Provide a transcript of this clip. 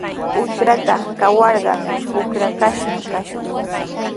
Hutratraw kawarqa uqrakashqami kashun.